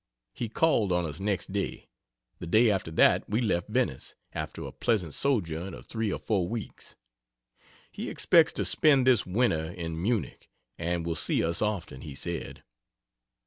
He called on us next day; the day after that we left Venice, after a pleasant sojourn Of 3 or 4 weeks. He expects to spend this winter in Munich and will see us often, he said.